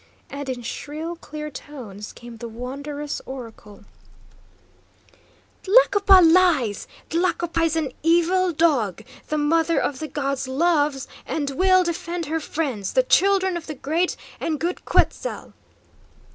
And in shrill, clear tones came the wondrous oracle: "Tlacopa lies! Tlacopa is an evil dog! The Mother of the Gods loves and will defend her friends, the Children of the great and good Quetzal'."